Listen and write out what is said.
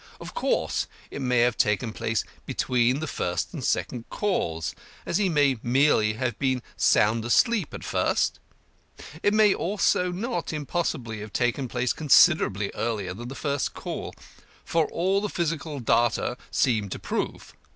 Of course, it may have taken place between the first and second calls, as he may merely have been sound asleep at first; it may also not impossibly have taken place considerably earlier than the first call, for all the physical data seem to prove.